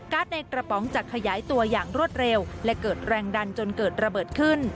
ในกระป๋องจะขยายตัวอย่างรวดเร็วและเกิดแรงดันจนเกิดระเบิดขึ้น